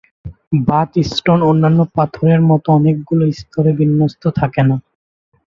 Bath stone অন্যান্য পাথরের মত অনেকগুলো স্তরে বিন্যস্ত থাকেনা।